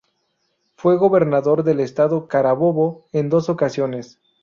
Fue Gobernador del estado Carabobo en dos ocasiones.